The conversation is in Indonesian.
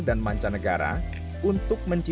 mengipun zip secarabefore asahan membuat sungai bengkak